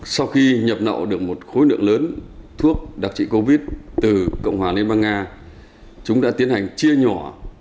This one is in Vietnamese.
sau khi nhập nậu được một khối lượng lớn thuốc đặc trị covid một mươi chín từ cộng hòa liên bang nga chúng đã tiến hành chia nhỏ